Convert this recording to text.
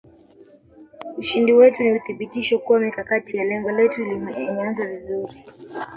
Ushindi wetu ni uthibitisho kuwa mikakati ya lengo letu imeanza vizuri